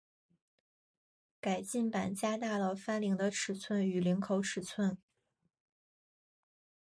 改进版加大了翻领的尺寸与领口尺寸。